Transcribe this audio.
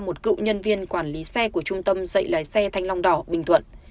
một cựu nhân viên quản lý xe của trung tâm dạy lái xe thanh long đỏ bình thuận